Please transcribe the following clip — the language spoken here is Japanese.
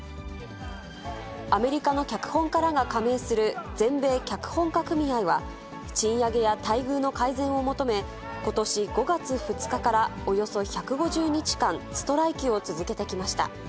アメリカの脚本家らが加盟する全米脚本家組合は、賃上げや待遇の改善を求め、ことし５月２日からおよそ１５０日間、ストライキを続けてきました。